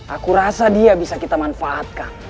aku rasa dia bisa kita manfaatkan